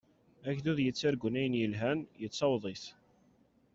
Agdud yettargun ayen yelhan, yettaweḍ-it.